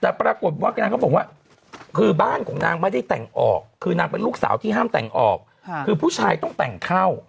แต่ปรากฏว่านางก็บอกว่าคือบ้านของนางไม่ได้แต่งออกคือนางเป็นลูกสาวที่ห้ามแต่งออกคือผู้ชายต้องแต่งเข้า